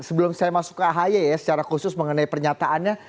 sebelum saya masuk ke ahy ya secara khusus mengenai pernyataannya